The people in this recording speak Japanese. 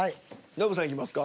ノブさんいきますか？